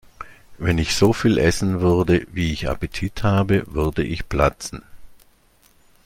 Wenn ich so viel essen würde, wie ich Appetit habe, würde ich platzen.